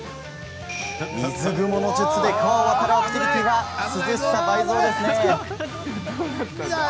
水蜘蛛の術で川を渡るアクティビティーは涼しさも倍増です。